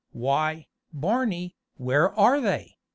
Why, Barney, where are they?